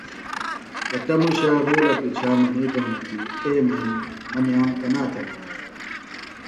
کٹموشہ رُولہ پچھا منِیتوۡ ہنوۡ کیۡ اے میم مہ نِئام کنا تھےۡ کُھوم